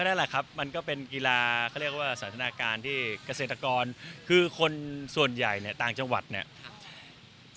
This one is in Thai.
นั่นแหละครับมันก็เป็นกีฬาเขาเรียกว่าสันทนาการที่เกษตรกรคือคนส่วนใหญ่เนี่ยต่างจังหวัดเนี่ย